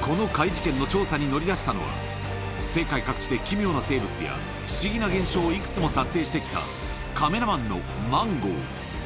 この怪事件の調査に乗り出したのは、世界各地で奇妙な生物や、不思議な現象をいくつも撮影してきた、カメラマンのマンゴー。